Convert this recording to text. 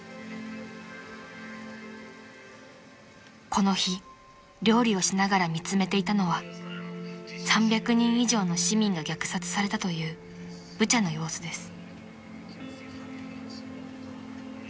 ［この日料理をしながら見つめていたのは３００人以上の市民が虐殺されたというブチャの様子です］